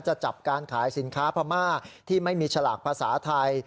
จะจับการขายสินค้าพม่าที่ไม่มีฉลากภาษาไทย